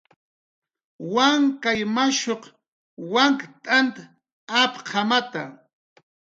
Wankay mashuq wank t'ant apqamata